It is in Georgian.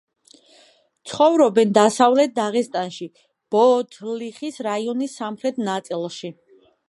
ცხოვრობენ დასავლეთ დაღესტანში, ბოთლიხის რაიონის სამხრეთ ნაწილში.